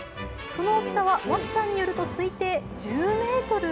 その大きさは、わきさんによると推定１０ｍ？